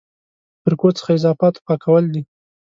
فرقو څخه اضافاتو پاکول دي.